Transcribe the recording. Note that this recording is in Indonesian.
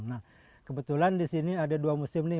nah kebetulan di sini ada dua musim nih